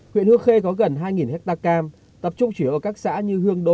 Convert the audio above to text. huyện hương khê có gần hai nghìn hecta cam tập trung chủ yếu ở các xã như hương đô